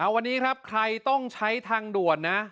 วันนี้ครับใครต้องใช้ทางด่วนนะ